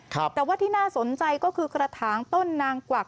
แต่ว่าที่น่าสนใจก็คือกระถางต้นนางกวัก